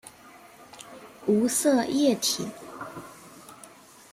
无色液体。